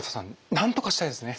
なんとかしたいですね。